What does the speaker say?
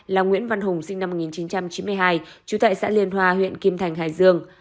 là nguyễn văn hùng sinh năm một nghìn chín trăm chín mươi hai trú tại xã liên hoa huyện kim thành hải dương